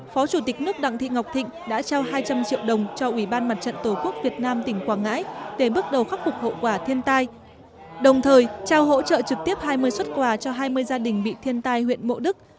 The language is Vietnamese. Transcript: phó chủ tịch nước đặng thị ngọc thịnh đã trao hai trăm linh triệu đồng cho ủy ban mặt trận tổ quốc việt nam tỉnh quảng ngãi để bước đầu khắc phục hậu quả thiên tai đồng thời trao hỗ trợ trực tiếp hai mươi xuất quà cho hai mươi gia đình bị thiên tai huyện mộ đức